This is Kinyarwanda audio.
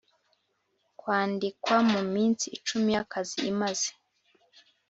Kwandikwa mu minsi icumi y akazi imaze